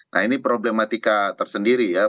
nah ini problematika tersendiri ya